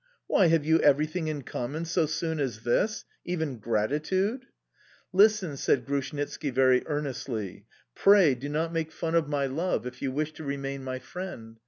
"Why! Have you everything in common so soon as this? Even gratitude?"... "Listen," said Grushnitski very earnestly; "pray do not make fun of my love, if you wish to remain my friend...